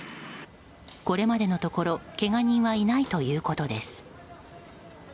これまでのところけが人はいないということです。